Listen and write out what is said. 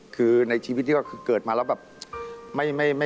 คือในชีวิตที่ก็คือเกิดมาแล้วแบบไม่